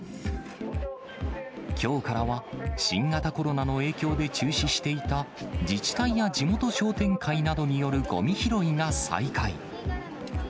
きょうからは新型コロナの影響で中止していた、自治体や地元商店会などによるごみ拾いが再開。